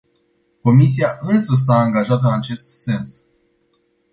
Comisia însăși s-a angajat în acest sens.